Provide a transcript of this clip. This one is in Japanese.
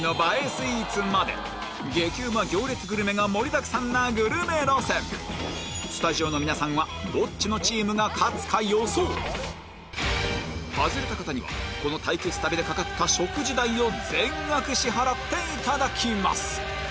スイーツまで激うま行列グルメが盛りだくさんなグルメ路線スタジオの皆さんはどっちのチームが勝つか予想外れた方にはこの対決旅でかかった食事代を全額支払っていただきます